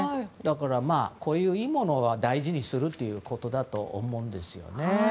こういういいものは大事にするということだと思うんですよね。